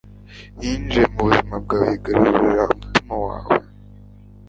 Yinjiye mubuzima bwawe yigarurira umutima wawe